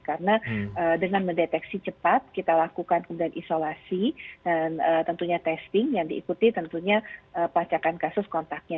karena dengan mendeteksi cepat kita lakukan kemudian isolasi dan tentunya testing yang diikuti tentunya pacarkan kasus kontaknya